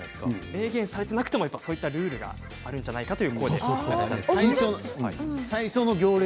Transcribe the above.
明言されてなくてもそういうルールがあるんじゃないかと。